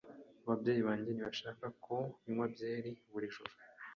Ababyeyi banjye ntibashaka ko nywa byeri buri joro.